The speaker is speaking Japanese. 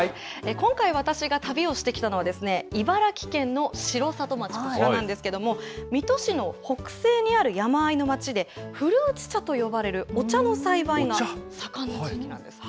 今回、私が旅をしてきたのは、茨城県の城里町、こちらなんですけれども、水戸市の北西にある山あいの町で、古内茶と呼ばれるお茶の栽培が盛んな町なんです。